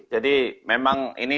jadi memang ini